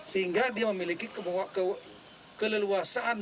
sehingga dia memiliki keleluasan